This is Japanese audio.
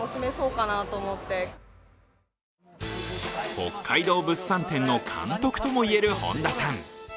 北海道物産展の監督ともいえる本田さん。